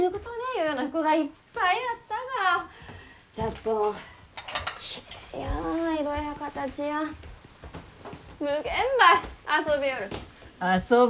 ゆうような服がいっぱいあったがじゃっどんキレイや色や形や無限ばい遊びよる遊ぶ？